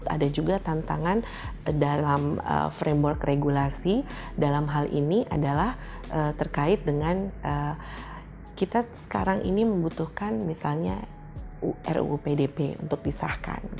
ada juga tantangan dalam framework regulasi dalam hal ini adalah terkait dengan kita sekarang ini membutuhkan misalnya ruu pdp untuk disahkan